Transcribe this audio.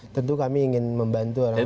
tentu kami ingin membantu orang orang